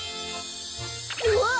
うわっ！